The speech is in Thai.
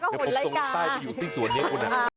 หุ่นไร้กาก็หุ่นไร้กา